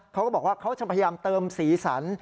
เขาก็บอกว่าเขาจะพยายามเติมสีสัน